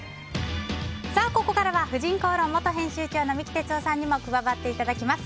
ここからは「婦人公論」元編集長の三木哲男さんにも加わっていただきます。